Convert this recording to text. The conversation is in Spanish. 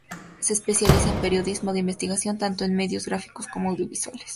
Se especializa en periodismo de investigación tanto en medios gráficos como audiovisuales.